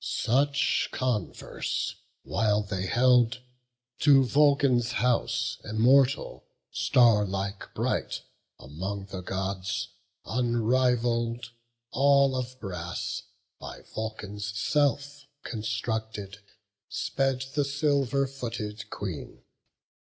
Such, converse while they held, to Vulcan's house, Immortal, starlike bright, among the Gods Unrivall'd, all of brass, by Vulcan's self Constructed, sped the silver footed Queen.